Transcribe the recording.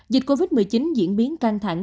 dịch covid một mươi chín diễn biến căng thẳng